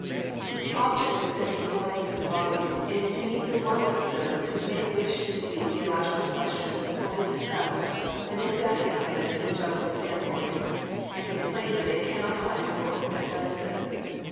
The object of sending forth this volume is to meet the wants of those who may wish to see theological questions fully dis cussed and examined from an " Evangelical " standpoint, and complain that they cannot find a book that does this.